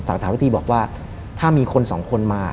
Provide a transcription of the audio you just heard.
สาวิตรีบอกว่าถ้ามีคน๒คนมา